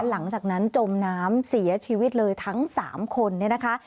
หลังจากนั้นจมน้ำเสียชีวิตเลยทั้ง๓คนเนี่ยนะคะ